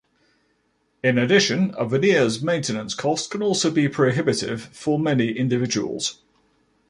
In addition, a veneer's maintenance cost can also be prohibitive for many individuals.